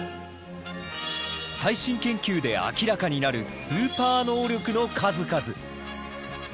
最新研究で明らかになるスーパー能力の数々！